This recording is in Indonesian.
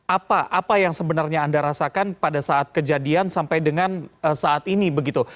apa apa yang sebenarnya anda rasakan pada saat kejadian sampai dengan saat ini begitu